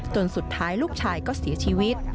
จนสุดท้ายลูกชายก็เสียชีวิต